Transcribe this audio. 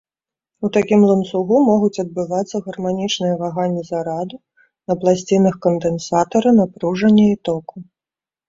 У такім ланцугу могуць адбывацца гарманічныя ваганні зараду на пласцінах кандэнсатара, напружання і току.